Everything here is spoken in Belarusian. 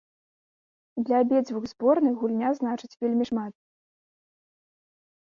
Для абедзвюх зборных гульня значыць вельмі шмат.